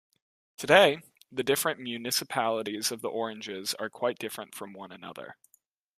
Today, the different municipalities of the Oranges are quite different from one another.